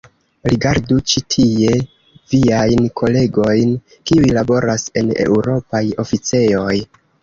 Rigardu ĉi tie viajn kolegojn kiuj laboras en eŭropaj oficejoj.